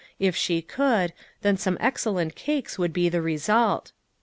If she could, then some excellent cakes would be the result.